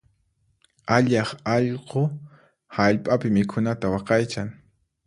Allaq allqu hallp'api mikhunanta waqaychan.